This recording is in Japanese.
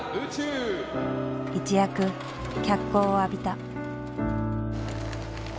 一躍脚光を浴びた。